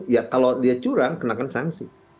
ya kalau dia curang kenakan sanksi